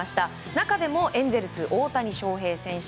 中でもエンゼルス、大谷翔平選手